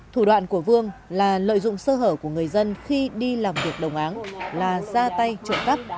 thủ đoạn của vương là lợi dụng sơ hở của người dân khi đi làm việc đồng áng là ra tay trộm cắp